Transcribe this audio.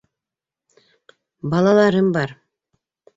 Балаларым бар.